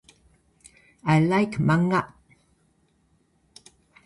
I like manga.